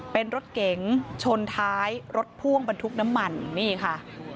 เป็นรถเก๋งชนท้ายรถพ่วงบรรทุกน้ำมันนี่ค่ะ